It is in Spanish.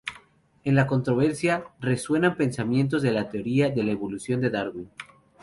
En la controversia, resuenan pensamientos de la teoría de la evolución de Darwin.